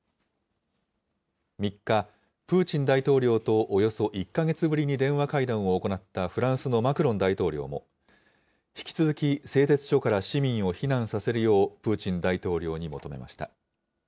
３日、プーチン大統領とおよそ１か月ぶりに電話会談を行ったフランスのマクロン大統領も、引き続き、製鉄所から市民を避難させるよう、プーチン大統領に求めました。